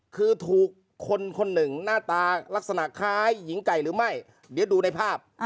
คือถูกคนคนหนึ่งหน้าตาลักษณะคล้ายหญิงไก่หรือไม่เดี๋ยวดูในภาพ